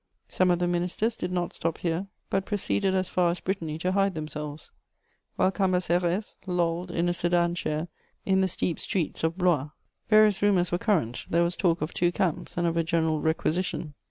Some of the ministers did not stop here, but proceeded as far as Brittany to hide themselves, while Cambacérès lolled in a sedan chair in the steep streets of Blois. Various rumours were current: there was talk of two camps and of a general requisition.